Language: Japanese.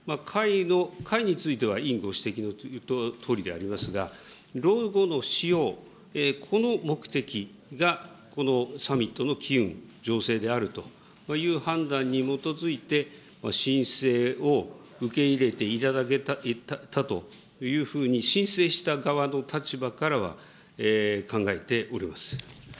会については委員ご指摘のとおりでございますが、ロゴの使用、この目的がこのサミットの機運醸成であるという判断に基づいて、申請を受け入れていただけたというふうに、申請した側の立場からは考えております。